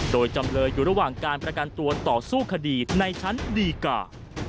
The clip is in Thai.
โดยจำเลยอยู่ระหว่างการประกันตัวต่อสู้คดีในชั้นดีกา